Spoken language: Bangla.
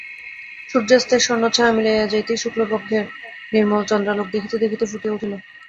সূর্যাস্তের স্বর্ণচ্ছায়া মিলাইয়া যাইতেই শুক্লপক্ষের নির্মল চন্দ্রালোক দেখিতে দেখিতে ফুটিয়া উঠিল।